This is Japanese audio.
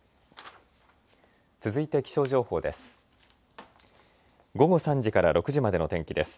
続いて気象情報です。